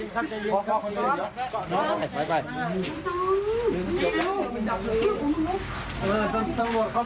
ใจเย็นครับใจเย็น